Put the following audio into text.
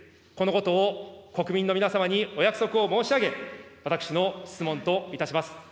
このことを国民の皆様にお約束を申し上げ、私の質問といたします。